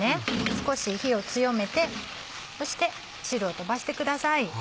少し火を強めてそして汁を飛ばしてください。